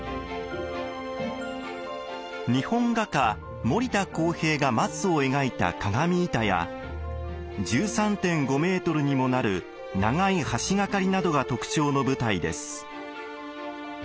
日本画家森田曠平が松を描いた鏡板や１３．５メートルにもなる長い橋掛りなどが特徴の舞台です。